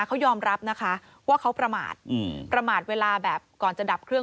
เขายอมรับนะคะว่าเขาประมาทประมาทเวลาแบบก่อนจะดับเครื่อง